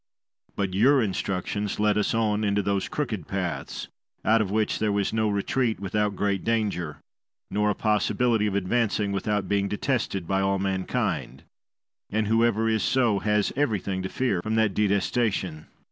But your instructions led us on into those crooked paths, out of which there was no retreat without great danger, nor a possibility of advancing without being detested by all mankind, and whoever is so has everything to fear from that detestation.